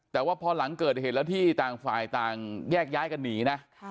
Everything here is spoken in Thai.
แต่ว่าพอหลังเกิดเหตุแล้วที่ต่างฝ่ายต่างแยกย้ายกันหนีนะ